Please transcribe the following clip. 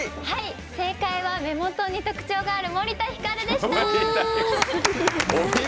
正解は目元に特徴がある森田ひかるでした！